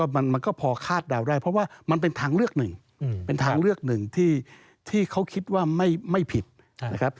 มันก็พอคาดเดาได้เพราะว่ามันเป็นทางเลือกหนึ่งเป็นทางเลือกหนึ่งที่เขาคิดว่าไม่ผิดนะครับ